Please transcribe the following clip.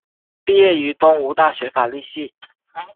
毕业于东吴大学法律系。